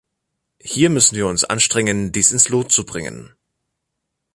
Hier müssen wir uns anstrengen, dies ins Lot zu bringen.